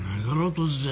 突然。